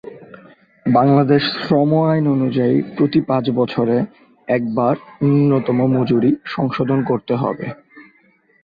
বাংলাদেশ শ্রম আইন অনুযায়ী প্রতি পাঁচ বছরে একবার ন্যূনতম মজুরি সংশোধন করতে হবে।